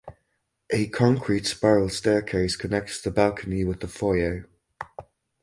A concrete spiral staircase connects the balcony with the foyer.